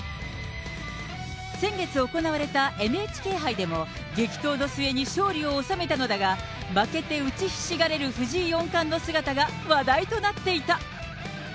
先月行われたＮＨＫ杯でも、激闘の末に勝利を収めたのだが、負けて打ちひしがれる藤井四冠の姿が話題となっていた。